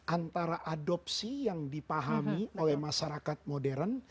antara adopsi yang dipahami oleh masyarakat modern